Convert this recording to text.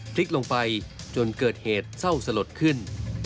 พลิกลงไปจนเกิดเหตุเศร้าสลดขึ้น